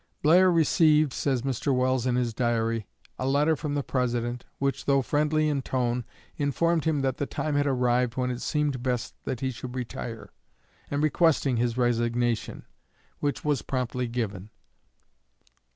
Blair received, says Mr. Welles in his Diary, a letter from the President, which, though friendly in tone, informed him that the time had arrived when it seemed best that he should retire, and requesting his resignation, which was promptly given.